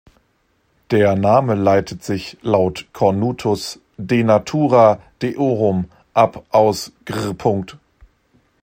Der Name leitet sich laut Cornutus, "de natura deorum", ab aus gr.